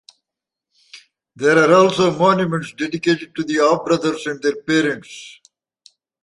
There are also monuments dedicated to the Aw brothers and their parents.